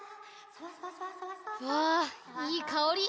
わあいいかおり！